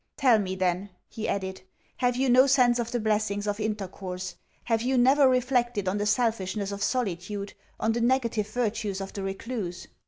Tell me, then,' he added, 'have you no sense of the blessings of intercourse? Have you never reflected on the selfishness of solitude, on the negative virtues of the recluse?'